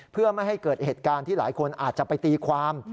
เพื่อไม่ให้เกิดเหตุการณ์ที่หลายคนอาจจะไปตีความ